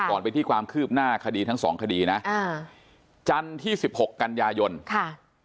ไปที่ความคืบหน้าคดีทั้งสองคดีนะอ่าจันทร์ที่สิบหกกันยายนค่ะ